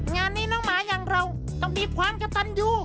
งานนี้น้องหมาอย่างเราต้องมีความกระตันอยู่